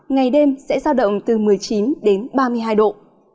ngày đêm sẽ giao động từ một mươi chín đến ba mươi hai độ